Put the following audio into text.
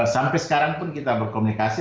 sampai sekarang pun kita berkomunikasi